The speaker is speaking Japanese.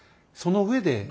その上で。